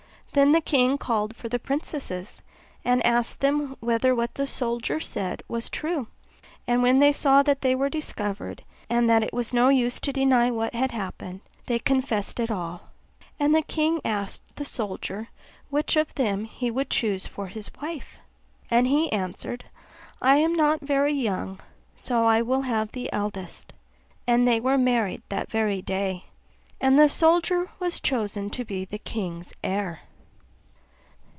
Then the king called for the princesses, and asked them whether what the soldier said was true: and when they saw that they were discovered, and that it was of no use to deny what had happened, they confessed it all. And the king asked the soldier which of them he would choose for his wife; and he answered, 'I am not very young, so I will have the eldest.' And they were married that very day, and the soldier was chosen to be the king's heir.